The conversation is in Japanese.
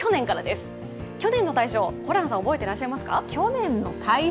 去年の大賞、ホランさん覚えていらっしゃいますか？